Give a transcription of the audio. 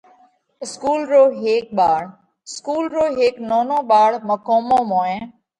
اِسڪُول رو هيڪ ٻاۯ: اِسڪُول رو هيڪ نونو ٻاۯ مقومون موئين